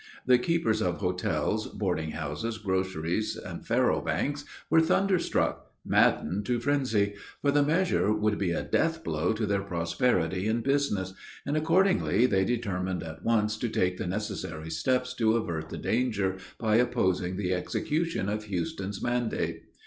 The keepers of hotels, boarding houses, groceries, and faro banks, were thunderstruck, maddened to frenzy; for the measure would be a death blow to their prosperity in business; and, accordingly, they determined at once to take the necessary steps to avert the danger, by opposing the execution of Houston's mandate.